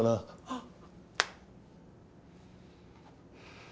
あっ。